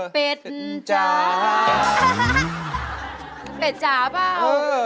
เป็ดจ๋าเปล่า